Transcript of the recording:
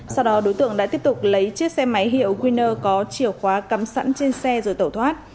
sau đó đối tượng đã tiếp tục lấy chiếc xe máy hiệu winner có chiều khóa cắm sẵn trên xe rồi tẩu thoát